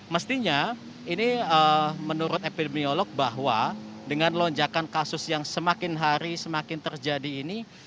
mestinya ini menurut epidemiolog bahwa dengan lonjakan kasus yang semakin hari semakin terjadi ini